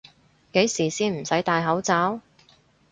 幾時先唔使戴口罩？